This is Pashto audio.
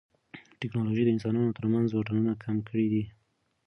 ټیکنالوژي د انسانانو ترمنځ واټنونه کم کړي دي.